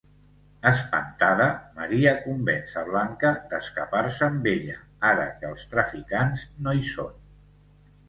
Espantada, Maria convenç a Blanca d'escapar-se amb ella ara que els traficants no hi són.